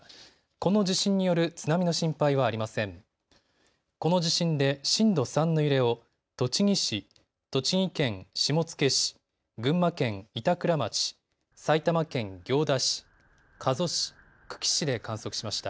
この地震で震度３の揺れを栃木市、栃木県下野市、群馬県板倉町、埼玉県行田市、加須市、久喜市で観測しました。